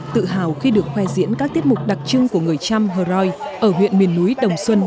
tự hào khi được khoe diễn các tiết mục đặc trưng của người trăm hờ roi ở huyện miền núi đồng xuân